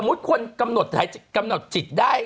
สมมุติคนกำหนดจิบได้